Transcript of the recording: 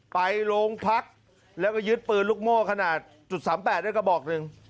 ไปโรงพักแล้วก็ยึดปืนลูกโม่ขนาด๓๘ได้กระบอกหนึ่ง